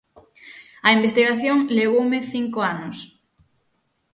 A investigación levoume cinco anos.